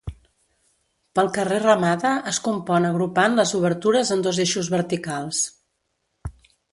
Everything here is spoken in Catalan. Pel carrer Ramada es compon agrupant les obertures en dos eixos verticals.